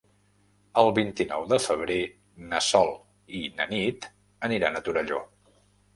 El vint-i-nou de febrer na Sol i na Nit aniran a Torelló.